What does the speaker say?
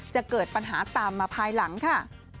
จะเกิดปัญหาตามมาภายหลังค่ะ